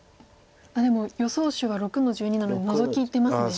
でも予想手は６の十二なのでノゾキって言ってますね。